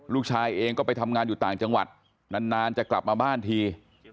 ลูกชายเองก็ไปทำงานอยู่ต่างจังหวัดนานจะกลับมาบ้านที